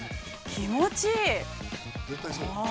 ◆気持ちいい？